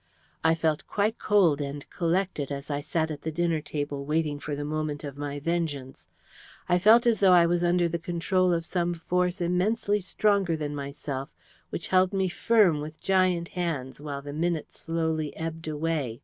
"I felt quite cold and collected as I sat at the dinner table waiting for the moment of my vengeance. I felt as though I was under the control of some force immensely stronger than myself which held me firm with giant hands while the minutes slowly ebbed away.